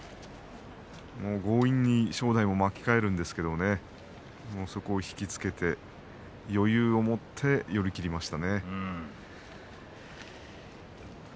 強引に正代も巻き替えていきますがそこを引き付けて余裕を持って寄り切りました。